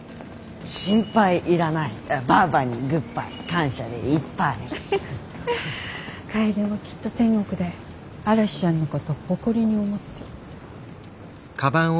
心配いらないバァバにグッバイ感謝でいっぱい楓もきっと天国で嵐ちゃんのこと誇りに思ってる。